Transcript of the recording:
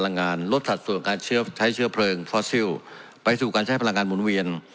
พลังงานลดถัดส่วนการใช้เชื้อเพลิงไปสู่การใช้พลังงานหมุนเวียน